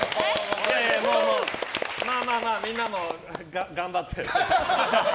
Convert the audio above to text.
まあまあまあみんなも頑張って。